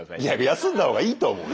休んだ方がいいと思う。